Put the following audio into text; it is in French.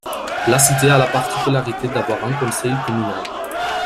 La cité à la particularité d'avoir un conseil communal.